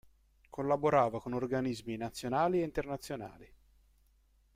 Collaborava con organismi nazionali e internazionali.